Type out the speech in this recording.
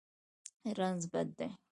رنځ بد دی.